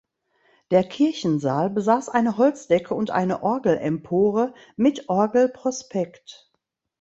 Der Kirchensaal besaß eine Holzdecke und eine Orgelempore mit Orgelprospekt.